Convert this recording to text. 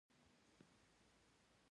ادبي ټولنې دې فعاله سي.